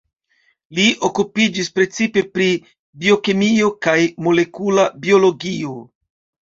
Li okupiĝis precipe pri biokemio kaj molekula biologio.